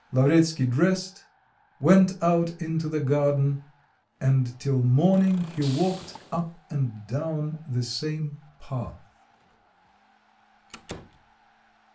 Lavretsky dressed, went out into the garden, and till morning he walked up and down the same path.